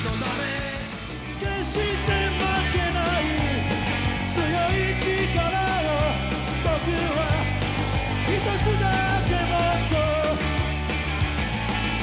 「決して負けない強い力を僕は一つだけ持つ」